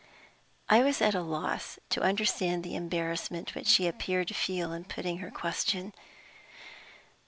I was at a loss to understand the embarrassment which she appeared to feel in putting her question.